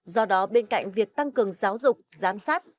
do đó bên cạnh việc tăng cường giáo dục giám sát